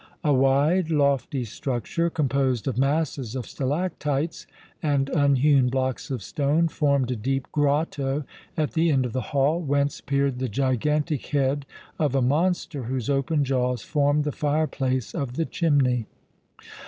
A wide, lofty structure, composed of masses of stalactites and unhewn blocks of stone, formed a deep grotto at the end of the hall, whence peered the gigantic head of a monster whose open jaws formed the fireplace of the chimney.